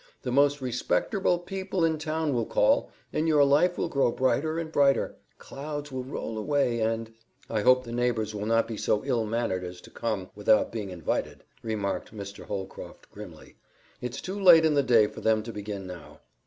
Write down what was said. The most respecterble people in town will call, and your life will grow brighter and brighter; clouds will roll away, and " "I hope the neighbors will not be so ill mannered as to come without being invited," remarked Mr. Holcroft grimly. "It's too late in the day for them to begin now."